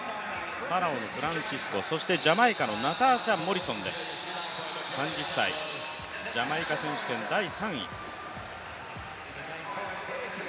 パラオのフランシスコジャマイカのナターシャ・モリソン３０歳、ジャマイカ選手権第３位。